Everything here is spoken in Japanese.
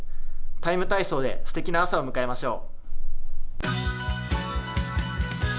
「ＴＩＭＥ，体操」ですてきな朝を迎えましょう。